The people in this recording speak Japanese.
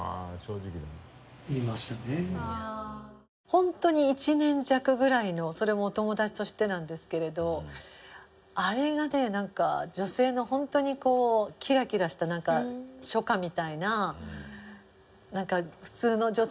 ホントに１年弱ぐらいのそれもお友達としてなんですけれどあれがねなんか女性のホントにこうキラキラした初夏みたいな。